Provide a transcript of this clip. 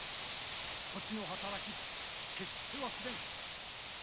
そちの働き決して忘れぬ。